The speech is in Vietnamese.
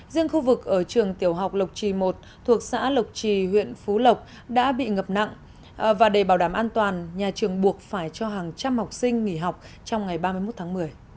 riêng khu vực ở trường tiểu học lộc trì một thuộc xã lộc trì huyện phú lộc đã bị ngập nặng và để bảo đảm an toàn nhà trường buộc phải cho hàng trăm học sinh nghỉ học trong ngày ba mươi một tháng một mươi